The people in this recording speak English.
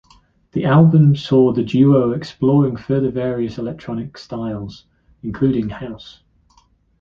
The album saw the duo exploring further various electronic styles, including house.